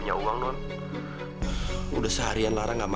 mereka pengen dinyatakan buat seseorang yang ngomong